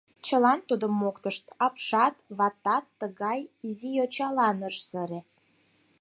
Чылан тудым моктышт, апшат ватат тыгай изи йочалан ыш сыре.